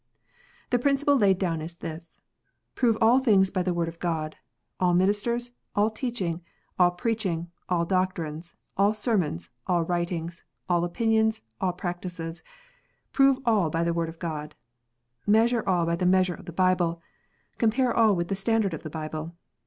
The principle laid down is this :" Prove all things by the Word of God ; all ministers, all teaching, all preaching, all doctrines, all sermons, all writings, all opinions, all practices, prove all by the Word of God. Measure all by the measure of the Bible. Compare all with the standard of the Bible.